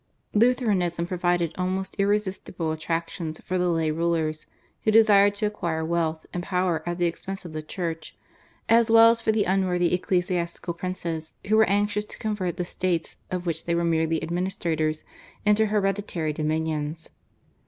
Lutheranism provided almost irresistible attractions for the lay rulers, who desired to acquire wealth and power at the expense of the Church, as well as for the unworthy ecclesiastical princes who were anxious to convert the states of which they were merely administrators into hereditary dominions.